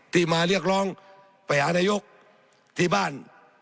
ที่มาเรียกร้องไปหานายกที่บ้าน